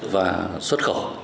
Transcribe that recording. và xuất khẩu